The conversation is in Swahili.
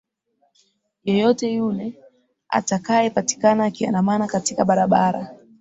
yeyote yule atakaye patikana akiandamana katika barabara